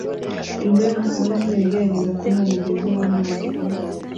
imbwa y'umukara n'umweru igerageza kuruma umugezi w'amazi